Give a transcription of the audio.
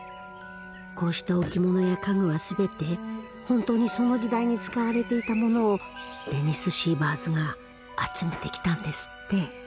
こうした置物や家具は全て本当にその時代に使われていた物をデニス・シーバーズが集めてきたんですって。